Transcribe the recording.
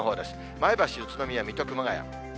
前橋、宇都宮、水戸、熊谷。